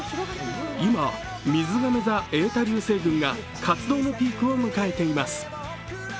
今、みずがめ座η流星群が活動のピークを迎えています。